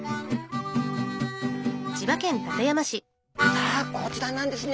さあこちらなんですね。